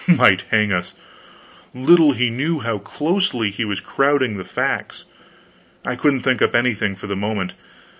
Might hang us! Little he knew how closely he was crowding the facts. I couldn't think up anything for the moment.